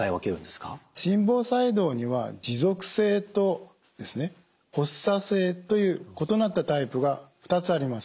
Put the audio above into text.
心房細動には持続性と発作性という異なったタイプが２つあります。